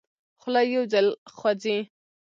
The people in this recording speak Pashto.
خوله یو ځل خوځي.